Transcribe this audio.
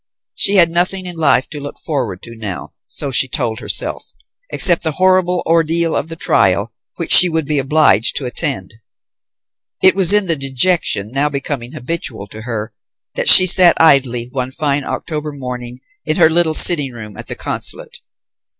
She had nothing in life to look forward to now, so she told herself, except the horrible ordeal of the trial which she would be obliged to attend. It was in the dejection now becoming habitual to her, that she sat idly one fine October morning in her little sitting room at the consulate.